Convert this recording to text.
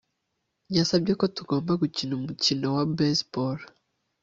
Yasabye ko tugomba gukina umupira wa baseball